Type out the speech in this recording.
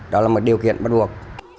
đó là một điều kiện bắt buộc